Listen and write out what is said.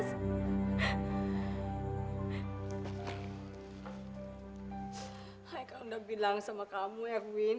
saya kan udah bilang sama kamu erwin